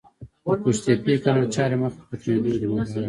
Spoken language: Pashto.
د قوشتېپې کانال چارې مخ پر ختمېدو دي! مبارک